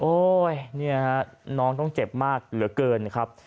นี่ฮะน้องต้องเจ็บมากเหลือเกินครับ